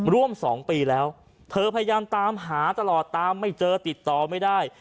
ร่วม๒ปีแล้วเธอพยายามตามหาตลอดตามไม่เจอติดต่อไม่ได้